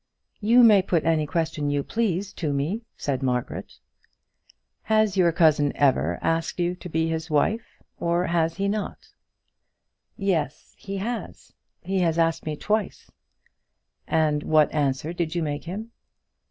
"You may put any question you please to me," said Margaret. "Has your cousin ever asked you to be his wife, or has he not?" "Yes, he has. He has asked me twice." "And what answer did you make him?"